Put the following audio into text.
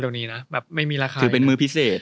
แบบไม่มีราคาไม่มีราคาเลยคือเป็นมื้อพิเศษ